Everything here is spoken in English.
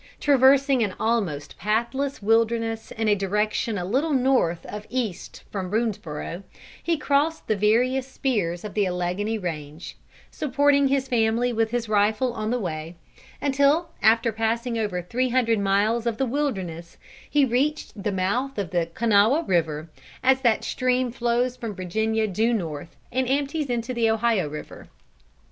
Traversing an almost pathless wilderness in a direction a little north of east from Boonesborough, he crossed the various speers of the Alleghany range, supporting his family with his rifle on the way, until after passing over three hundred miles of the wilderness, he reached the mouth of the Kanawha river, as that stream flows from Virginia due north, and empties into the Ohio river.